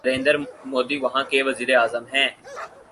نریندر مودی وہاں کے وزیر اعظم ہیں۔